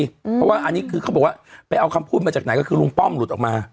เพราะว่าอันนี้คือเขาบอกว่าไปเอาคำพูดมาจากไหนก็คือลุงป้อมหลุดออกมา